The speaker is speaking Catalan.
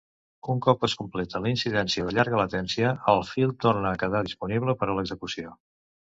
Un cop es completa la incidència de llarga latència, el fil torna a quedar disponible per a l'execució.